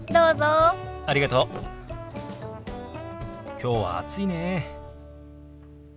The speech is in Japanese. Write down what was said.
きょうは暑いね。